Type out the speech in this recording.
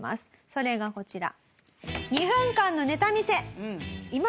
それがこちら。